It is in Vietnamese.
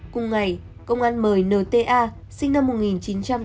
cùng ngày công an mời nta sinh năm một nghìn chín trăm tám mươi sáu